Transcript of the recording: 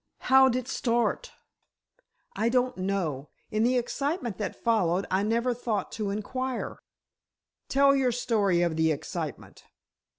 "How'd it start?" "I don't know. In the excitement that followed, I never thought to inquire." "Tell your story of the excitement."